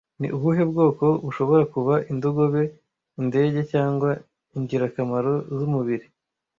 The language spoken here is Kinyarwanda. Ni ubuhe bwoko bushobora kuba indogobe, indege cyangwa ingirakamaro z'umubiri